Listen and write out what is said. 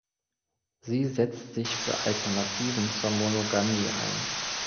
Sie setzt sich für Alternativen zur Monogamie ein.